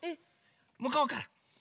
むこうから。